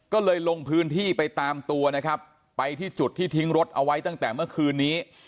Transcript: ก็เลยลงพื้นที่ไปตามตัวนะครับไปที่จุดที่ทิ้งรถเอาไว้ตั้งแต่เมื่อคืนนี้